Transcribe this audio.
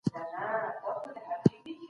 زه به حتماً دغه مهارت زده کړم.